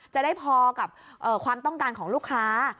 จะได้พอกับความต้องการของลูกค้า